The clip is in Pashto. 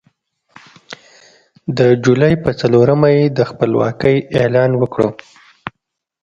د جولای په څلورمه یې د خپلواکۍ اعلان وکړ.